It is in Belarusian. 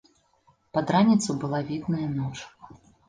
Пад раніцу была відная ноч.